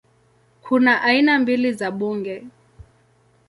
Kuna aina mbili za bunge